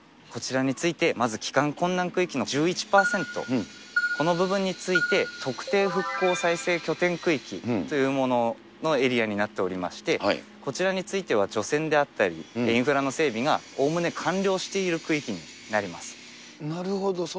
こちらについて、まず帰還困難区域の１１％、この部分について、特定復興再生拠点区域というもののエリアになっておりまして、こちらについては除染であったり、インフラの整備がおおむね完了しなるほど。